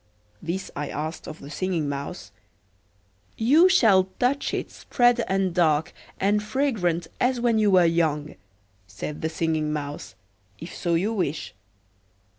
This I asked of the Singing Mouse. "You shall touch it, spread and dark, and fragrant as when you were young," said the Singing Mouse, "if so you wish."